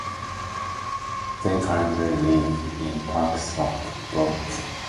They currently live in Park Slope, Brooklyn.